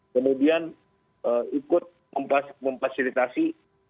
kemudian ikut memfasilitasi